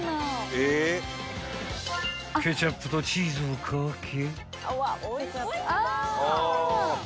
［ケチャップとチーズを掛け］